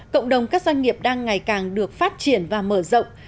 cộng đồng các doanh nghiệp đang ngày càng được phát triển và mở rộng